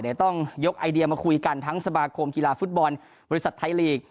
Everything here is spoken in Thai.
เดี๋ยวต้องยกไอเดียมาคุยกันทั้งสมาคมกีฬาฟุตบอลบริษัทไทยลีก